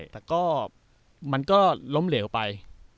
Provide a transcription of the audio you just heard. แต่ก็มันก็ล้มเหลวไป